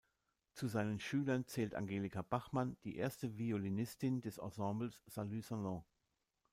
Zu seinen Schülern zählt Angelika Bachmann, die erste Violinistin des Ensembles "Salut Salon".